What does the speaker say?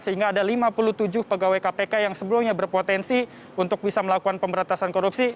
sehingga ada lima puluh tujuh pegawai kpk yang sebelumnya berpotensi untuk bisa melakukan pemberantasan korupsi